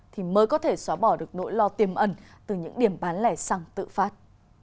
thì mới có thể xóa bỏ được nỗi lo tiềm ẩn từ những điểm bán lẻ xăng tự phát